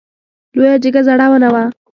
لویه جګه زړه ونه وه .